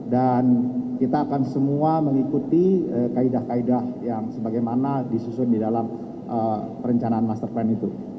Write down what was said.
dan kita akan semua mengikuti kaedah kaedah yang sebagaimana disusun di dalam perencanaan master plan itu